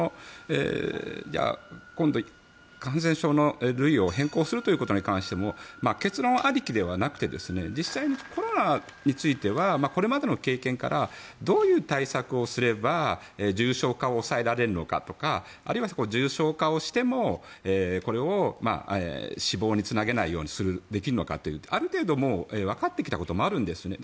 今度、感染者の類を変更することに関しても結論ありきではなくて実際にコロナについてはこれまでの経験からどういう対策をすれば重症化を抑えられるのかとかあるいは重症化をしてもこれを死亡につなげないようにできるのかある程度、わかってきたこともあるんですね。